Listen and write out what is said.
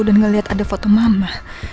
dan nggak lihat ada foto mama